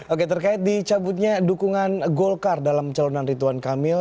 oke terkait di cabutnya dukungan golkar dalam calonan ridwan kamil